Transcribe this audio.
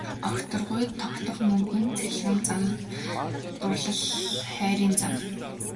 Огторгуйд тогтох мөнгөн цагирган зам дурлал хайрын зам.